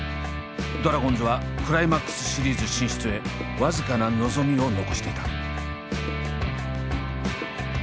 ドラゴンズはクライマックスシリーズ進出へ僅かな望みを残していた。